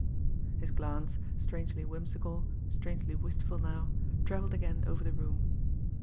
His glance, strangely whimsical, strangely wistful now, travelled again over the room.